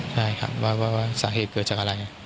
ใช่ครับว่าสาเหตุเกิดจากอะไร